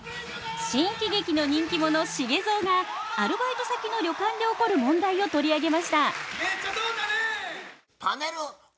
新喜劇の人気者茂造がアルバイト先の旅館で起こる問題を取り上げましたパネルオープン。